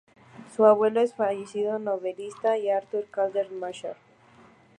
Su abuelo es el fallecido novelista Arthur Calder-Marshall.